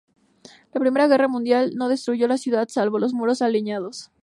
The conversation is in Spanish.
La Primera Guerra Mundial no destruyó la ciudad, salvo los muros aledaños.